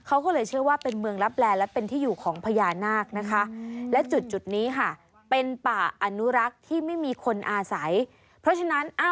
อาศัยเพราะฉะนั้นอ้าวแล้วมันจะมาได้ยังไงนั่นแหละสิ